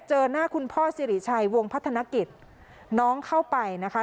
เจอหน้าคุณพ่อสิริชัยวงพัฒนกิจน้องเข้าไปนะคะ